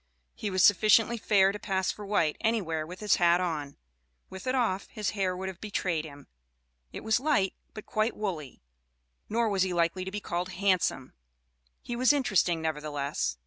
He was sufficiently fair to pass for white anywhere, with his hat on with it off, his hair would have betrayed him; it was light, but quite woolly. Nor was he likely to be called handsome; he was interesting, nevertheless.